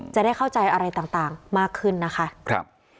จะได้เข้าใจอะไรต่างมากขึ้นนะคะ